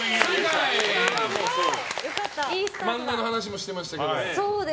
漫画の話もされてましたけど。